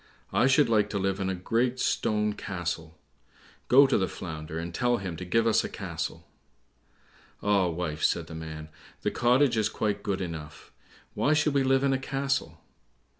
I should like to live in a great stone castle; go to the Flounder, and tell him to give us a castle." "Ah, wife," said the man, "the cottage is quite good enough; why should we live in a castle?"